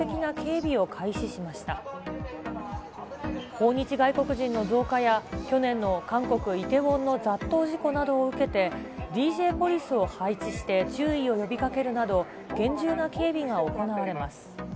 訪日外国人の増加や、去年の韓国・イテウォンの雑踏事故などを受けて、ＤＪポリスを配置して注意を呼び掛けるなど、厳重な警備が行われます。